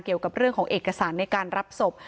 เกี่ยวกับเรื่องของเอกสารในการรับศพ